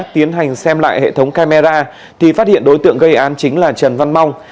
tiến hành xem lại hệ thống camera thì phát hiện đối tượng gây án chính là trần văn mong